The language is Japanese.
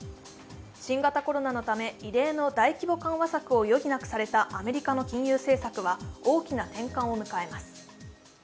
新型コロナのため異例の大規模緩和策を余儀なくされたアメリカの金融政策は大きな転換を迎えます。